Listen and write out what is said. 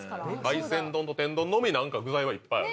海鮮丼と天丼のみ具材はいっぱいある。